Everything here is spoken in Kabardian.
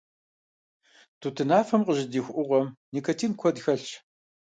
Тутынафэм къыжьэдихуж Ӏугъуэм никотин куэд хэлъщ.